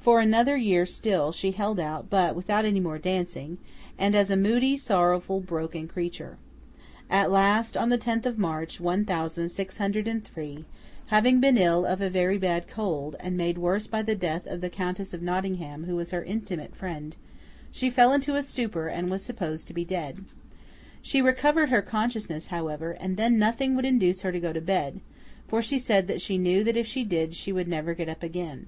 For another year still, she held out, but, without any more dancing, and as a moody, sorrowful, broken creature. At last, on the tenth of March, one thousand six hundred and three, having been ill of a very bad cold, and made worse by the death of the Countess of Nottingham who was her intimate friend, she fell into a stupor and was supposed to be dead. She recovered her consciousness, however, and then nothing would induce her to go to bed; for she said that she knew that if she did, she should never get up again.